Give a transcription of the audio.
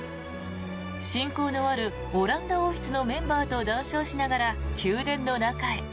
親交のあるオランダ王室のメンバーと談笑しながら宮殿の中へ。